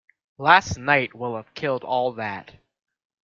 Last night will have killed all that.